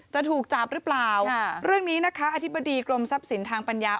จะถูกจับหรือเปล่าเรื่องนี้นะคะอธิบดีกรมทรัพย์สินทางปัญญา